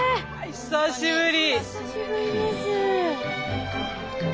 久しぶり！